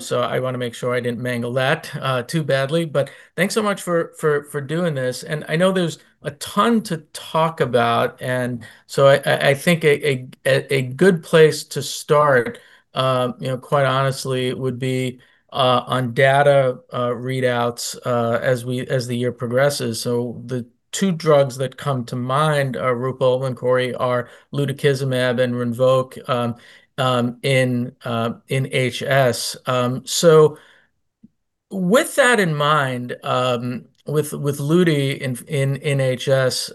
So I want to make sure I didn't mangle that too badly. But thanks so much for doing this, and I know there's a ton to talk about, and so I think a good place to start, you know, quite honestly, would be on data readouts as the year progresses. So the two drugs that come to mind, Roopal and Kori, are lutikizumab and RINVOQ in HS. So with that in mind, with ludi in HS,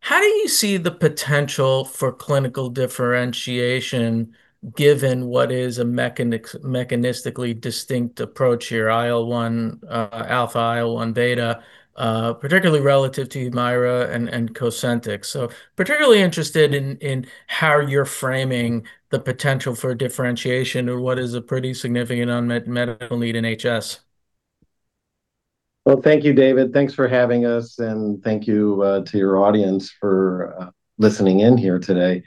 how do you see the potential for clinical differentiation, given what is a mechanistically distinct approach here? IL-1 alpha, IL-1 beta, particularly relative to HUMIRA and Cosentyx. Particularly interested in how you're framing the potential for differentiation or what is a pretty significant unmet medical need in HS. Well, thank you, David. Thanks for having us, and thank you to your audience for listening in here today.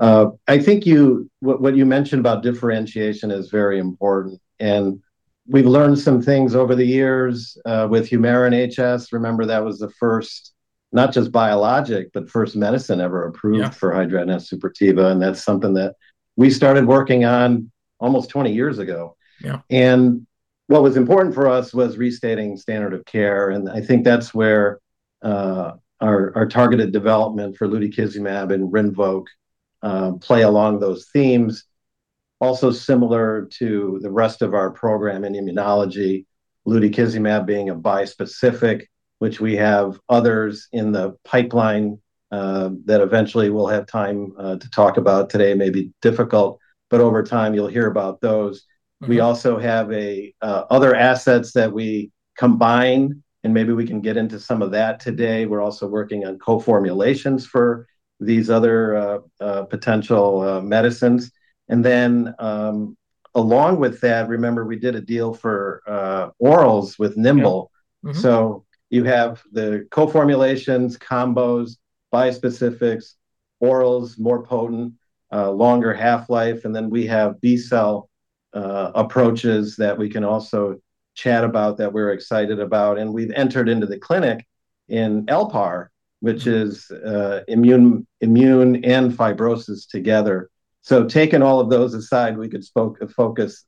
I think you—what you mentioned about differentiation is very important, and we've learned some things over the years with HUMIRA in HS. Remember, that was the first, not just biologic, but first medicine ever approved. Yeah. For hidradenitis suppurativa, and that's something that we started working on almost 20 years ago. Yeah. And what was important for us was restating standard of care, and I think that's where our targeted development for lutikizumab and RINVOQ play along those themes. Also similar to the rest of our program in immunology, lutikizumab being a bispecific, which we have others in the pipeline that eventually we'll have time to talk about today, may be difficult, but over time, you'll hear about those. Mm-hmm. We also have other assets that we combine, and maybe we can get into some of that today. We're also working on co-formulations for these other potential medicines. And then, along with that, remember, we did a deal for orals with Nimble. Yeah. Mm-hmm. So you have the co-formulations, combos, bispecifics, orals, more potent, longer half-life, and then we have B-cell approaches that we can also chat about that we're excited about. And we've entered into the clinic in LPAR, which is immune and fibrosis together. So taking all of those aside, we could focus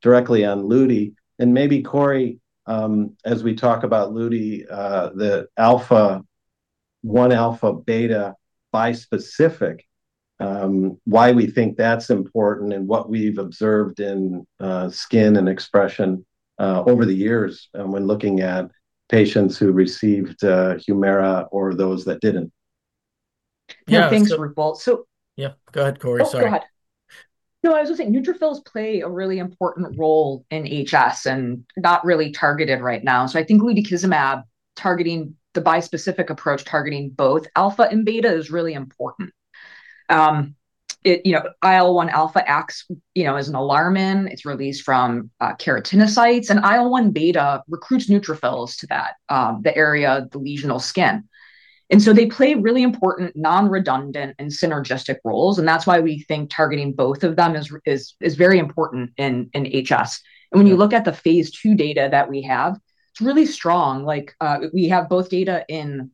directly on ludi. And maybe Kori, as we talk about ludi, the alpha, one alpha beta bispecific, why we think that's important and what we've observed in skin and expression over the years, when looking at patients who received Humira or those that didn't. Yeah, thanks, Roopal. So. Yeah, go ahead, Kori. Sorry. Oh, go ahead. No, I was going to say, neutrophils play a really important role in HS, and not really targeted right now. So I think lutikizumab targeting the bispecific approach, targeting both alpha and beta, is really important. It, you know, IL-1 alpha acts, you know, as an alarmin. It's released from keratinocytes, and IL-1 beta recruits neutrophils to that, the area, the lesional skin. And so they play really important non-redundant and synergistic roles, and that's why we think targeting both of them is very important in HS. Yeah. When you look at the phase II data that we have, it's really strong. Like, we have both data in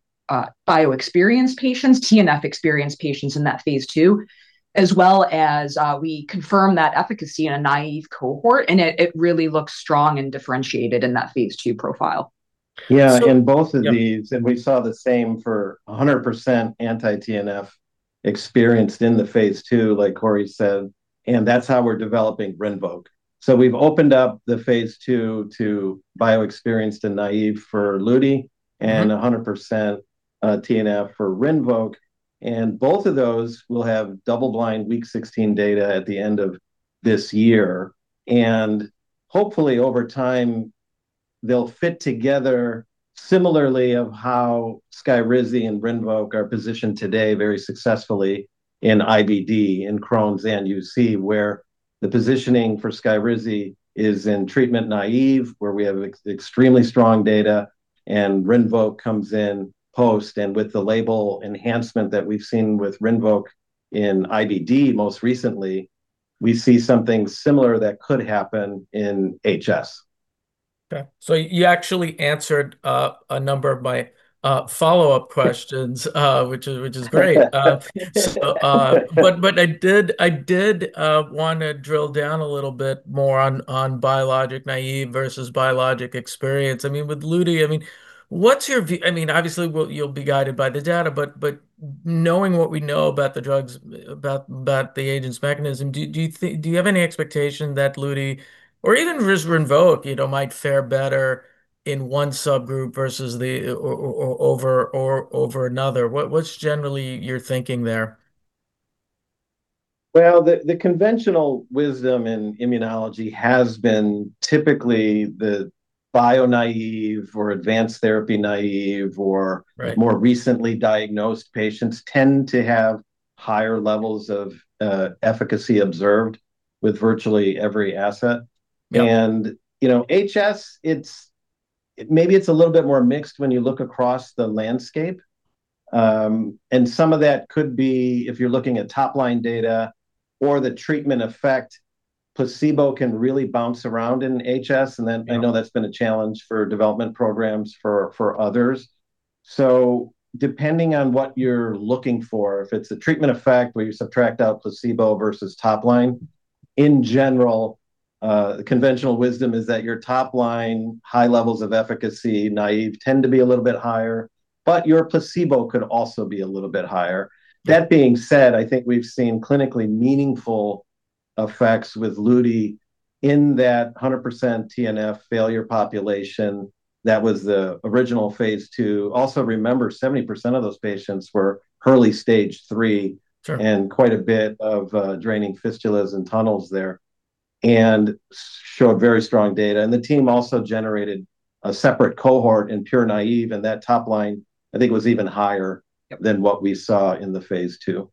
bio-experienced patients, TNF-experienced patients in that phase II, as well as, we confirm that efficacy in a naive cohort, and it really looks strong and differentiated in that phase II profile. Yeah. So. In both of these. Yeah And we saw the same for 100% anti-TNF experienced in the phase II, like Kori said, and that's how we're developing RINVOQ. So we've opened up the phase II to bio-experienced and naive for ludi- Mm-hm.m And 100% TNF for RINVOQ, and both of those will have double-blind week 16 data at the end of this year. And hopefully, over time, they'll fit together similarly of how SKYRIZI and RINVOQ are positioned today very successfully in IBD, in Crohn's and UC, where the positioning for SKYRIZI is in treatment-naive, where we have extremely strong data, and RINVOQ comes in post. And with the label enhancement that we've seen with RINVOQ in IBD most recently, we see something similar that could happen in HS. Okay, so you actually answered a number of my follow-up questions, which is great. But I did want to drill down a little bit more on biologic-naive versus biologic-experienced. I mean, with lutikizumab, I mean, what's your—I mean, obviously, well, you'll be guided by the data, but knowing what we know about the drugs, about the agent's mechanism, do you think—do you have any expectation that lutikizumab, or even just RINVOQ, you know, might fare better in one subgroup versus the other or over another? What's generally your thinking there? Well, the conventional wisdom in immunology has been typically the bio-naive or advanced therapy-naive, or. Right More recently diagnosed patients tend to have higher levels of efficacy observed with virtually every asset. Yeah. You know, HS, it's maybe a little bit more mixed when you look across the landscape, and some of that could be if you're looking at top-line data or the treatment effect, placebo can really bounce around in HS. Yeah. I know that's been a challenge for development programs for others. So depending on what you're looking for, if it's a treatment effect where you subtract out placebo versus top line, in general, conventional wisdom is that your top line, high levels of efficacy, naive, tend to be a little bit higher, but your placebo could also be a little bit higher. That being said, I think we've seen clinically meaningful effects with lutikizumab in that 100% TNF failure population. That was the original phase II. Also, remember, 70% of those patients were early stage three. Sure. And quite a bit of, draining fistulas and tunnels there, and showed very strong data. And the team also generated a separate cohort in pure naive, and that top line, I think, was even higher. Yep. Than what we saw in the phase II.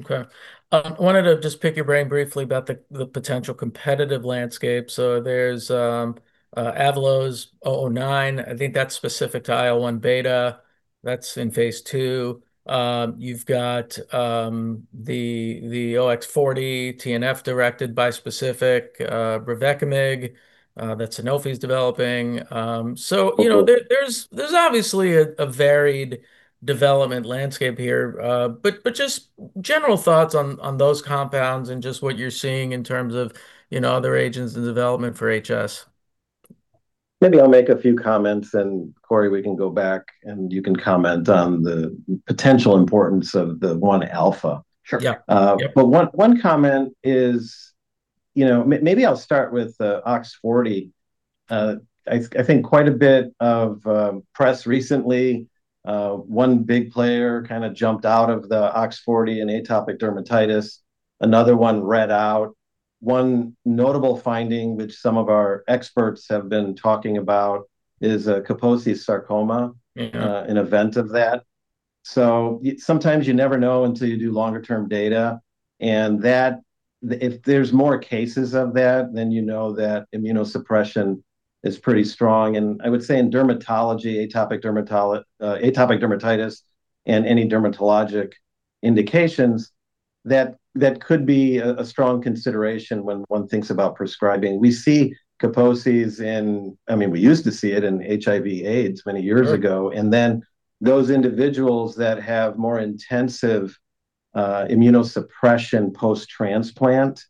Okay. I wanted to just pick your brain briefly about the potential competitive landscape. So there's AbbVie's O09. I think that's specific to IL-1 beta. That's in phase II. You've got the OX40 TNF-directed bispecific revucamab that Sanofi is developing. So, you know. Mm-hmm. There, there's obviously a varied development landscape here. But just general thoughts on those compounds and just what you're seeing in terms of, you know, other agents in development for HS. Maybe I'll make a few comments, and Kori, we can go back, and you can comment on the potential importance of the TL1A. Sure. Yeah. Uh. Yep. But one comment is, you know, maybe I'll start with OX40. I think quite a bit of press recently, one big player kind of jumped out of the OX40 in atopic dermatitis. Another one read out. One notable finding, which some of our experts have been talking about, is Kaposi's sarcoma. Mm-hmm. An event of that. So sometimes you never know until you do longer-term data, and that—if there's more cases of that, then you know that immunosuppression is pretty strong. And I would say in dermatology, atopic dermatitis and any dermatologic indications, that could be a strong consideration when one thinks about prescribing. We see Kaposi's in... I mean, we used to see it in HIV/AIDS many years ago. Sure. Then those individuals that have more intensive immunosuppression post-transplant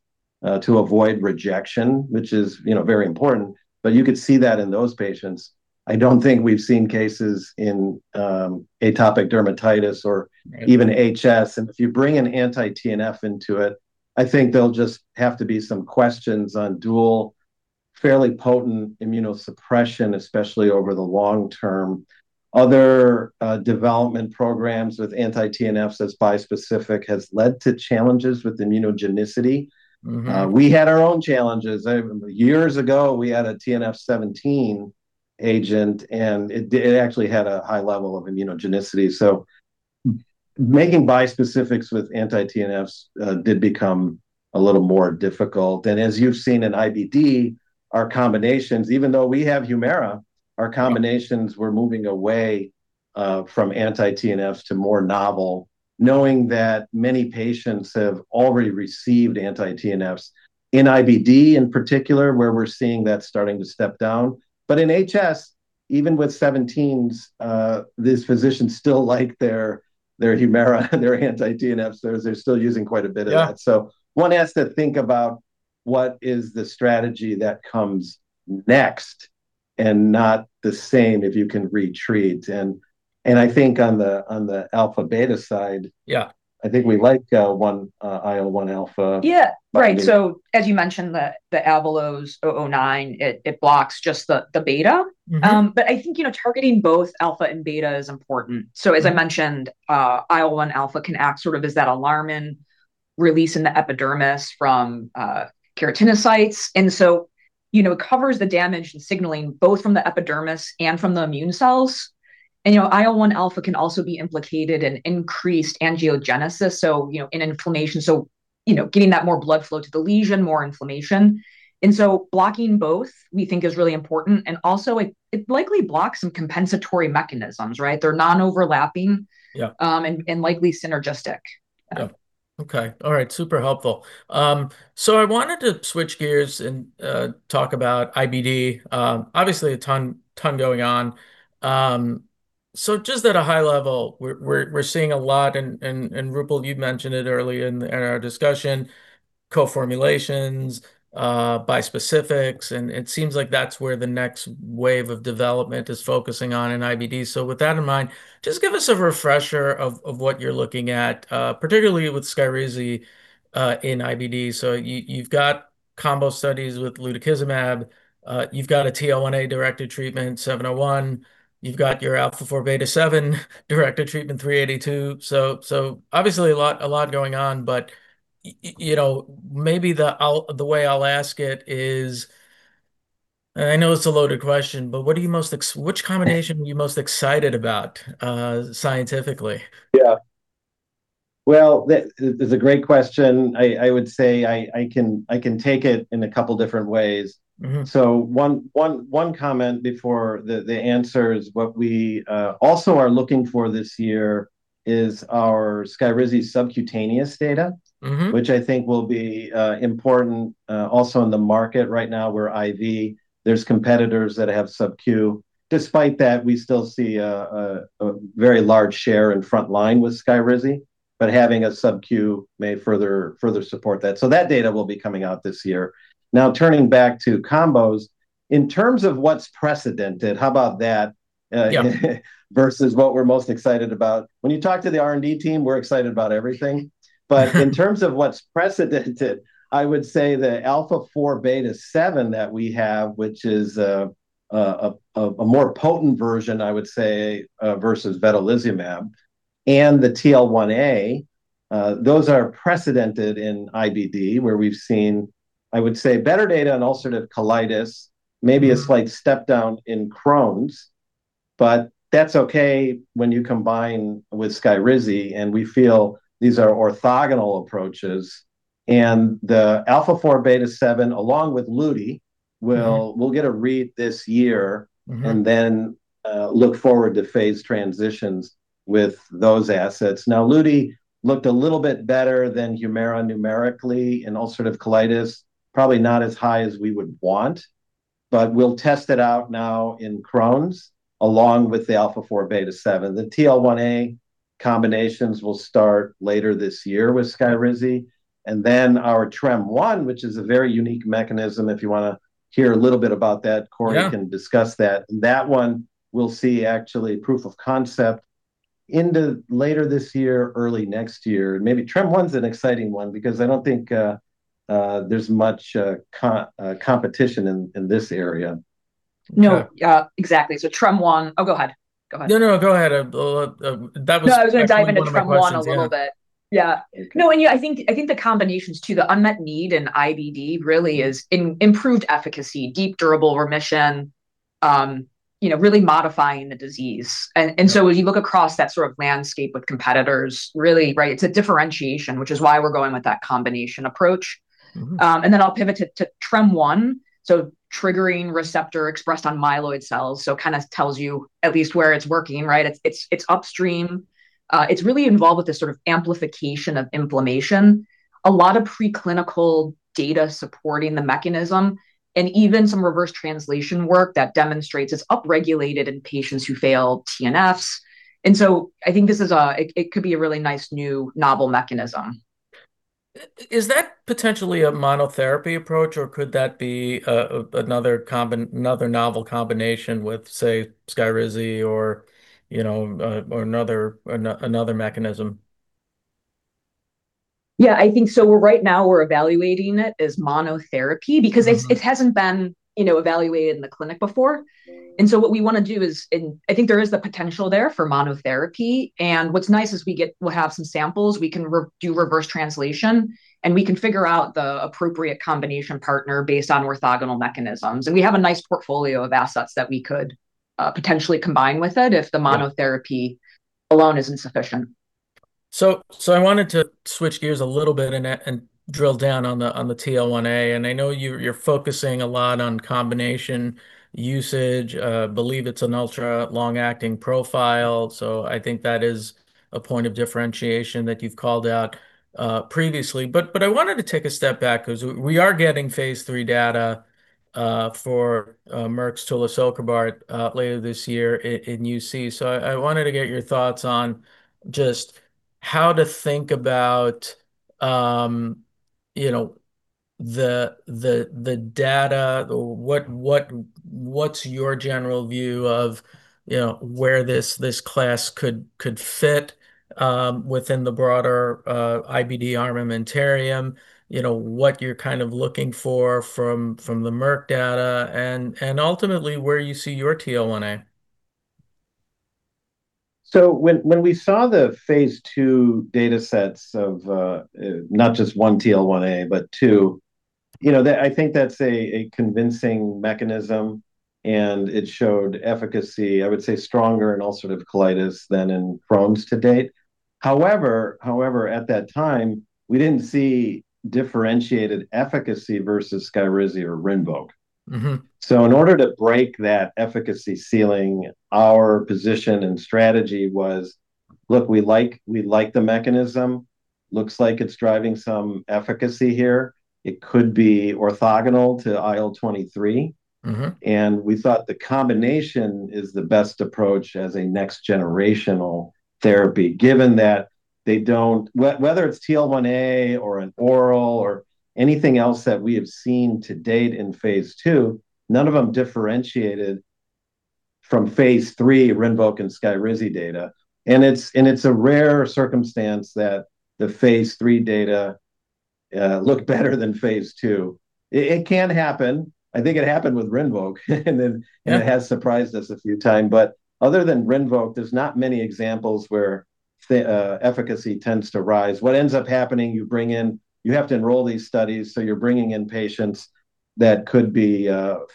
to avoid rejection, which is, you know, very important, but you could see that in those patients. I don't think we've seen cases in atopic dermatitis or even HS. Right. If you bring an anti-TNF into it, I think there'll just have to be some questions on dual, fairly potent immunosuppression, especially over the long term. Other development programs with anti-TNFs as bispecific has led to challenges with immunogenicity. Mm-hmm. We had our own challenges. I remember years ago, we had a TNF-seventeen agent, and it actually had a high level of immunogenicity. So making bispecifics with anti-TNFs did become a little more difficult. And as you've seen in IBD, our combinations, even though we have Humira, our combinations, we're moving away from anti-TNFs to more novel, knowing that many patients have already received anti-TNFs. In IBD, in particular, where we're seeing that starting to step down, but in HS, even with seventeens, these physicians still like their Humira, their anti-TNFs. They're still using quite a bit of that. Yeah. So one has to think about what is the strategy that comes next, and not the same, if you can retreat. And I think on the alpha/beta side. Yeah. I think we like one IL-1 alpha. Yeah. But. Right. So as you mentioned, the AbbVie's O09, it blocks just the beta. Mm-hmm. But I think, you know, targeting both alpha and beta is important. Yeah. So as I mentioned, IL-1 alpha can act sort of as that alarmin, releasing the epidermis from keratinocytes. And so, you know, it covers the damage and signaling, both from the epidermis and from the immune cells. And, you know, IL-1 alpha can also be implicated in increased angiogenesis, so, you know, in inflammation. So, you know, getting that more blood flow to the lesion, more inflammation. And so blocking both, we think, is really important, and also it, it likely blocks some compensatory mechanisms, right? They're non-overlapping. Yeah. And likely synergistic. Yeah. Okay. All right, super helpful. So I wanted to switch gears and talk about IBD. Obviously, a ton, ton going on. So just at a high level, we're seeing a lot, and Roopal, you mentioned it earlier in our discussion, co-formulations, bispecifics, and it seems like that's where the next wave of development is focusing on in IBD. So with that in mind, just give us a refresher of what you're looking at, particularly with SKYRIZI, in IBD. So you've got combo studies with lutikizumab, you've got a TL1A-directed treatment, 701. You've got your alpha-4 beta-7 directed treatment, 382. So, obviously a lot going on, but you know, maybe the way I'll ask it is, and I know it's a loaded question, but which combination are you most excited about, scientifically? Yeah... Well, that is a great question. I would say I can take it in a couple different ways. Mm-hmm. So one comment before the answer is what we also are looking for this year is our SKYRIZI subcutaneous data. Mm-hmm. Which I think will be important also in the market right now, where IV, there's competitors that have subq. Despite that, we still see a very large share in front line with SKYRIZI, but having a subq may further support that. So that data will be coming out this year. Now, turning back to combos, in terms of what's precedented, how about that. Yep. versus what we're most excited about? When you talk to the R&D team, we're excited about everything. But in terms of what's precedented, I would say the alpha-4 beta-7 that we have, which is a more potent version, I would say, versus vedolizumab, and the TL1A, those are precedented in IBD, where we've seen, I would say, better data on ulcerative colitis, maybe a slight step down in Crohn's. But that's okay when you combine with SKYRIZI, and we feel these are orthogonal approaches. And the alpha-4 beta-7, along with lutikizumab- Mm-hmm. We'll get a read this year. Mm-hmm. And then, look forward to phase transitions with those assets. Now, lutikizumab looked a little bit better than HUMIRA numerically in ulcerative colitis. Probably not as high as we would want, but we'll test it out now in Crohn's, along with the alpha-4 beta-7. The TL1A combinations will start later this year with SKYRIZI, and then our TREM1, which is a very unique mechanism. If you want to hear a little bit about that. Yeah. Kori can discuss that. That one we'll see actually proof of concept into later this year, early next year. Maybe TREM1's an exciting one because I don't think there's much competition in this area. No, exactly. So TREM1... Oh, go ahead. Go ahead. No, no, go ahead. That was definitely one of my questions, yeah. No, I was going to dive into TREM1 a little bit. Yeah. Okay. No, and yeah, I think the combinations, too, the unmet need in IBD really is in improved efficacy, deep durable remission, you know, really modifying the disease. Mm-hmm. So as you look across that sort of landscape with competitors, really, right, it's a differentiation, which is why we're going with that combination approach. Mm-hmm. And then I'll pivot to TREM1, so triggering receptor expressed on myeloid cells, so kind of tells you at least where it's working, right? It's upstream. It's really involved with the sort of amplification of inflammation. A lot of preclinical data supporting the mechanism, and even some reverse translation work that demonstrates it's upregulated in patients who fail TNFs. And so I think this is a... It could be a really nice, new novel mechanism. Is that potentially a monotherapy approach, or could that be another novel combination with, say, SKYRIZI or, you know, or another mechanism? Yeah, I think so. Right now we're evaluating it as monotherapy. Mm-hmm. Because it's, it hasn't been, you know, evaluated in the clinic before. And so what we want to do is, and I think there is the potential there for monotherapy, and what's nice is we'll have some samples. We can redo reverse translation, and we can figure out the appropriate combination partner based on orthogonal mechanisms. And we have a nice portfolio of assets that we could potentially combine with it. Yeah. If the monotherapy alone is insufficient. So I wanted to switch gears a little bit and drill down on the TL1A, and I know you're focusing a lot on combination usage. Believe it's an ultra-long-acting profile, so I think that is a point of differentiation that you've called out previously. But I wanted to take a step back, 'cause we are getting phase III data for Merck's tulisokibart later this year in UC. So I wanted to get your thoughts on just how to think about, you know, the data, or what what's your general view of, you know, where this class could fit within the broader IBD armamentarium? You know, what you're kind of looking for from the Merck data and ultimately, where you see your TL1A. So when we saw the phase II data sets of not just one TL1A, but two, you know, that I think that's a convincing mechanism, and it showed efficacy, I would say, stronger in ulcerative colitis than in Crohn's to date. However, at that time, we didn't see differentiated efficacy versus SKYRIZI or RINVOQ. Mm-hmm. In order to break that efficacy ceiling, our position and strategy was, "Look, we like, we like the mechanism. Looks like it's driving some efficacy here. It could be orthogonal to IL-23. Mm-hmm. We thought the combination is the best approach as a next-generational therapy, given that they don't, whether it's TL1A, or an oral, or anything else that we have seen to date in phase II, none of them differentiated from phase III RINVOQ and SKYRIZI data. And it's a rare circumstance that the phase III data looked better than phase II. It can happen. I think it happened with RINVOQ, and then. Yeah. And it has surprised us a few times. But other than RINVOQ, there's not many examples where the efficacy tends to rise. What ends up happening, you have to enroll these studies, so you're bringing in patients that could be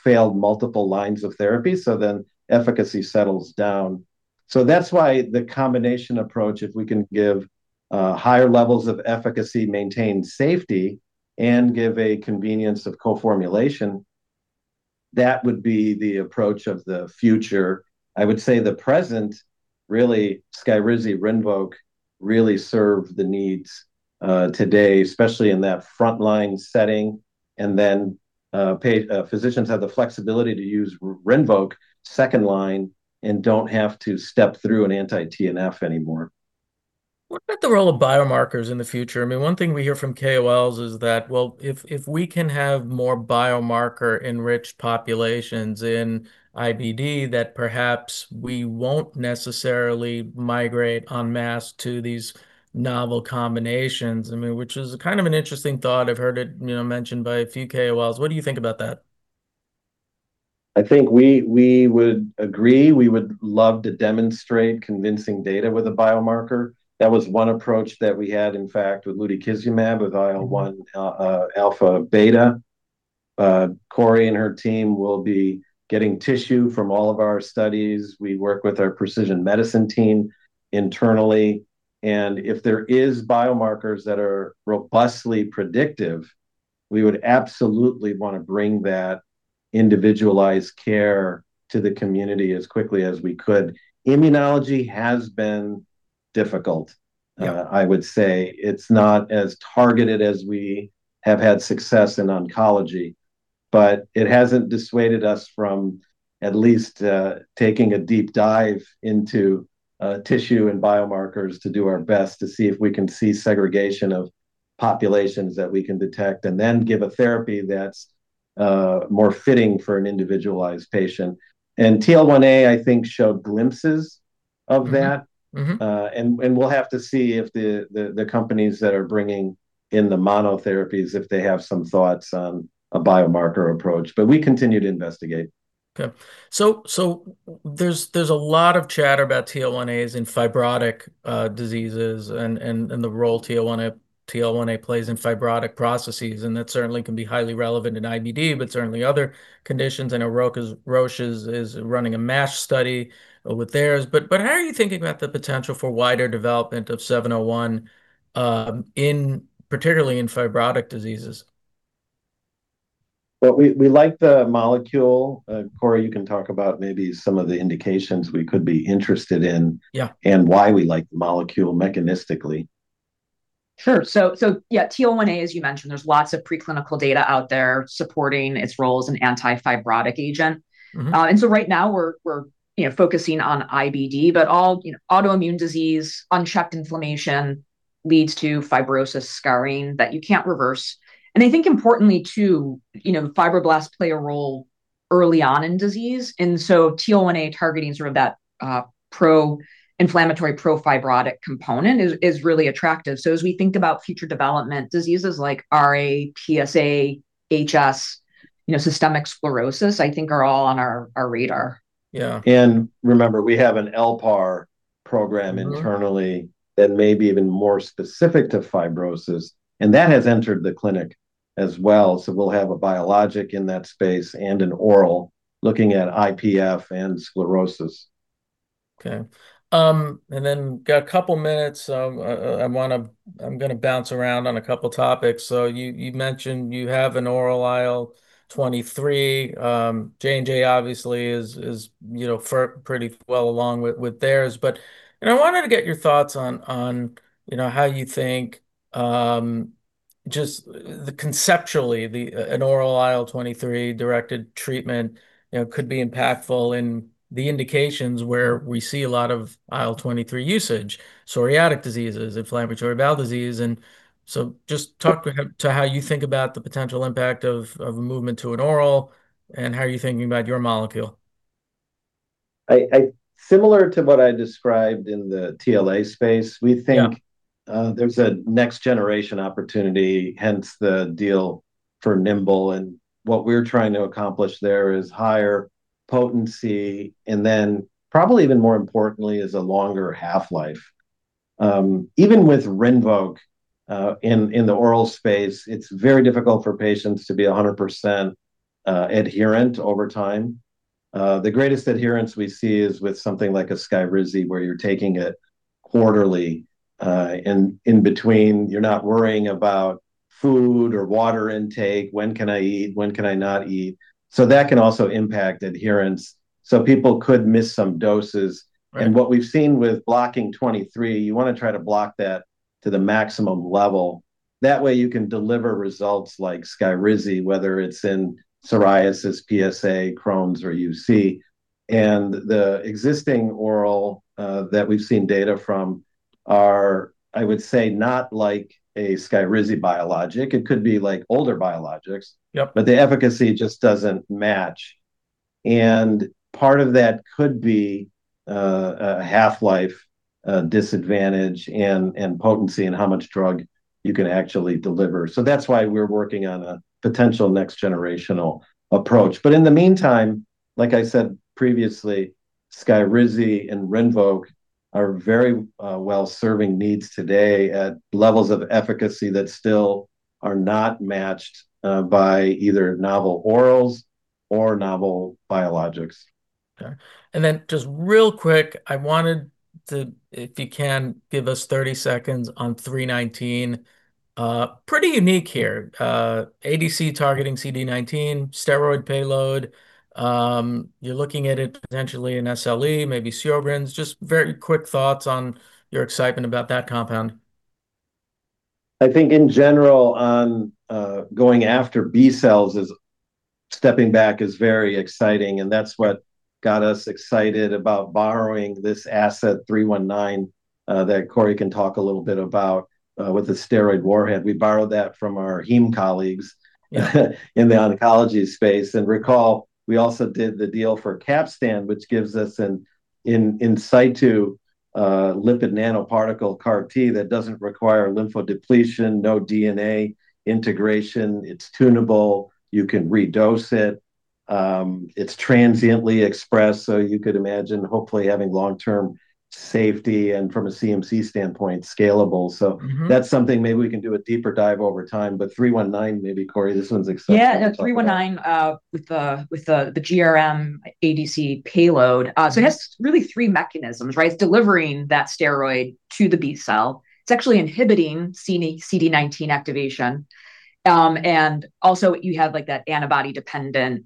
failed multiple lines of therapy, so then efficacy settles down. So that's why the combination approach, if we can give higher levels of efficacy, maintain safety, and give a convenience of co-formulation, that would be the approach of the future. I would say the present, really, SKYRIZI, RINVOQ, really serve the needs today, especially in that frontline setting. And then, physicians have the flexibility to use RINVOQ second line and don't have to step through an anti-TNF anymore. What about the role of biomarkers in the future? I mean, one thing we hear from KOLs is that, well, if we can have more biomarker-enriched populations in IBD, that perhaps we won't necessarily migrate en masse to these novel combinations. I mean, which is kind of an interesting thought. I've heard it, you know, mentioned by a few KOLs. What do you think about that? I think we, we would agree. We would love to demonstrate convincing data with a biomarker. That was one approach that we had, in fact, with lutikizumab, with IL-1 alpha beta. Kori and her team will be getting tissue from all of our studies. We work with our precision medicine team internally, and if there is biomarkers that are robustly predictive, we would absolutely want to bring that individualized care to the community as quickly as we could. Immunology has been difficult. Yeah. I would say. It's not as targeted as we have had success in oncology, but it hasn't dissuaded us from at least, taking a deep dive into, tissue and biomarkers to do our best to see if we can see segregation of populations that we can detect, and then give a therapy that's, more fitting for an individualized patient. And TL1A, I think, showed glimpses of that. Mm-hmm. Mm-hmm. We'll have to see if the companies that are bringing in the monotherapies, if they have some thoughts on a biomarker approach. But we continue to investigate. Okay. So there's a lot of chatter about TL1As in fibrotic diseases and the role TL1A plays in fibrotic processes, and that certainly can be highly relevant in IBD, but certainly other conditions. I know Roche is running a MASH study with theirs. But how are you thinking about the potential for wider development of 701, particularly in fibrotic diseases? Well, we like the molecule. Kori, you can talk about maybe some of the indications we could be interested in. Yeah. And why we like the molecule mechanistically. Sure. So, yeah, TL1A, as you mentioned, there's lots of preclinical data out there supporting its role as an anti-fibrotic agent. Mm-hmm. And so right now we're, you know, focusing on IBD, but all, you know, autoimmune disease, unchecked inflammation leads to fibrosis scarring that you can't reverse. And I think importantly, too, you know, fibroblasts play a role early on in disease, and so TL1A targeting sort of that pro-inflammatory, pro-fibrotic component is really attractive. So as we think about future development, diseases like RA, PsA, HS, you know, systemic sclerosis, I think are all on our radar. Yeah. Remember, we have an LPAR program. Mm-hmm. Internally that may be even more specific to fibrosis, and that has entered the clinic as well. So we'll have a biologic in that space and an oral, looking at IPF and sclerosis. Okay. And then got a couple minutes. I want to. I'm gonna bounce around on a couple topics. So you mentioned you have an oral IL-23. J&J obviously is, you know, pretty well along with theirs. But I wanted to get your thoughts on, you know, how you think, just conceptually, an oral IL-23-directed treatment, you know, could be impactful in the indications where we see a lot of IL-23 usage: psoriatic diseases, inflammatory bowel disease. And so just talk about how you think about the potential impact of a movement to an oral, and how are you thinking about your molecule? Similar to what I described in the TL1A space. Yeah. We think, there's a next-generation opportunity, hence the deal for Nimble. And what we're trying to accomplish there is higher potency, and then probably even more importantly, is a longer half-life. Even with RINVOQ, in the oral space, it's very difficult for patients to be 100%, adherent over time. The greatest adherence we see is with something like a SKYRIZI, where you're taking it quarterly, and in between, you're not worrying about food or water intake. "When can I eat? When can I not eat?" So that can also impact adherence, so people could miss some doses. Right. And what we've seen with blocking 23, you want to try to block that to the maximum level. That way, you can deliver results like SKYRIZI, whether it's in psoriasis, PsA, Crohn's, or UC. And the existing oral that we've seen data from are, I would say, not like a SKYRIZI biologic. It could be like older biologics- Yep. But the efficacy just doesn't match. And part of that could be a half-life disadvantage, and potency, and how much drug you can actually deliver. So that's why we're working on a potential next-generational approach. But in the meantime, like I said previously, SKYRIZI and RINVOQ are very well-serving needs today at levels of efficacy that still are not matched by either novel orals or novel biologics. Okay, and then just real quick, I wanted to, if you can, give us 30 seconds on 319. Pretty unique here. ADC targeting CD19, steroid payload. You're looking at it potentially in SLE, maybe Sjögren's. Just very quick thoughts on your excitement about that compound. I think in general, on going after B-cells is, stepping back, is very exciting, and that's what got us excited about borrowing this asset, 319, that Kori can talk a little bit about, with the steroid warhead. We borrowed that from our heme colleagues in the oncology space. And recall, we also did the deal for Capstan, which gives us an in situ lipid nanoparticle CAR-T that doesn't require lymphodepletion, no DNA integration. It's tunable. You can redose it. It's transiently expressed, so you could imagine hopefully having long-term safety, and from a CMC standpoint, scalable. Mm-hmm. So that's something maybe we can do a deeper dive over time, but 319, maybe Kori, this one's exceptional. Yeah, no, 319, with the GRM ADC payload. So it has really three mechanisms, right? It's delivering that steroid to the B-cell. It's actually inhibiting CD19 activation. And also you have, like, that antibody-dependent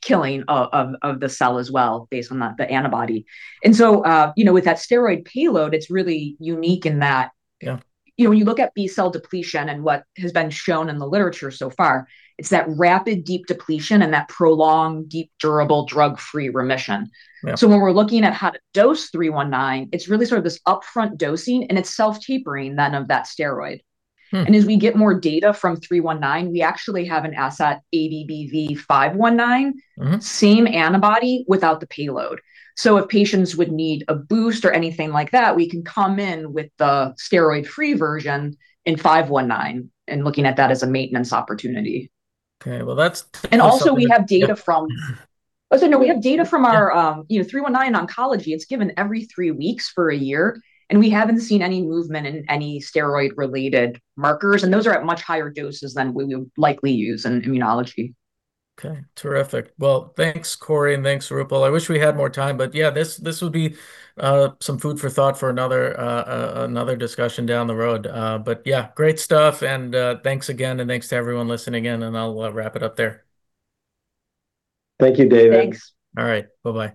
killing of the cell as well, based on the antibody. And so, you know, with that steroid payload, it's really unique in that. Yeah. You know, when you look at B-cell depletion and what has been shown in the literature so far, it's that rapid, deep depletion and that prolonged, deep, durable, drug-free remission. Yeah. When we're looking at how to dose 319, it's really sort of this upfront dosing, and it's self-tapering then of that steroid. Mm. As we get more data from 319, we actually have an asset, ABBV-519. Mm. Same antibody without the payload. So if patients would need a boost or anything like that, we can come in with the steroid-free version in 519, and looking at that as a maintenance opportunity. Okay, well, that's. Also, we have data from... Oh, so no, we have data from our, you know, 319 oncology. It's given every three weeks for a year, and we haven't seen any movement in any steroid-related markers, and those are at much higher doses than we would likely use in immunology. Okay, terrific. Well, thanks, Kori, and thanks, Roopal. I wish we had more time, but yeah, this, this will be some food for thought for another, another discussion down the road. But yeah, great stuff, and thanks again, and thanks to everyone listening in, and I'll wrap it up there. Thank you, David. Thanks. All right. Bye-bye.